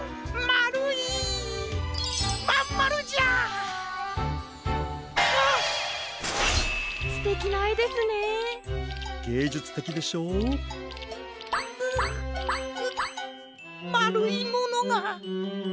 まるいものが。